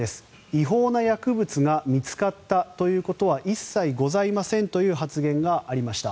違法な薬物が見つかったということは一切ございませんという発言がありました。